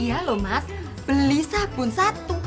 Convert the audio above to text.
iya loh mas beli sabun satu